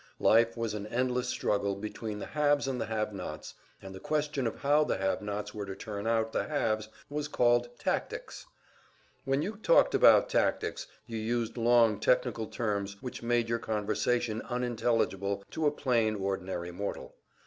Life was an endless struggle between the haves and the have nots, and the question of how the have nots were to turn out the haves was called "tactics." When you talked about "tactics" you used long technical terms which made your conversation unintelligible to a plain, ordinary mortal.